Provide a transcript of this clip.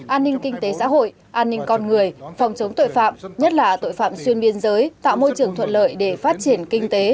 an ninh kinh tế xã hội an ninh con người phòng chống tội phạm nhất là tội phạm xuyên biên giới tạo môi trường thuận lợi để phát triển kinh tế